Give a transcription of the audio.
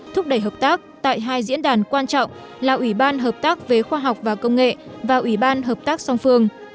thúc đẩy hợp tác tại hai diễn đàn quan trọng là ủy ban hợp tác về khoa học và công nghệ và ủy ban hợp tác song phương